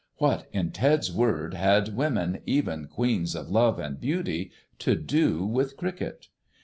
What, in Ted's words, had women, even Queens of Love and Beauty, to do with cricket?